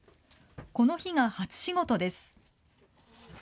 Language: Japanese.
この日が初仕事です。